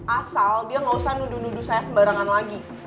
asal dia gak usah nudu nudu saya sembarangan lagi